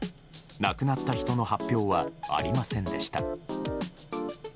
亡くなった人の発表はありませんでした。